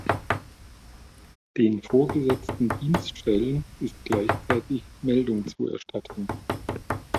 Den vorgesetzten Dienststellen ist gleichzeitig Meldung zu erstatten.